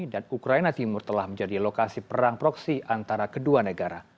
dan ukraina timur telah menjadi lokasi perang proksi antara kedua negara